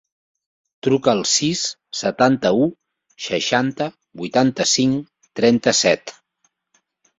Truca al sis, setanta-u, seixanta, vuitanta-cinc, trenta-set.